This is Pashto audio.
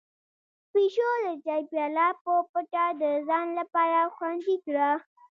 پيشو د چای پياله په پټه د ځان لپاره خوندي کړه.